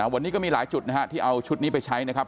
วันนี้ก็มีหลายจุดนะฮะที่เอาชุดนี้ไปใช้นะครับ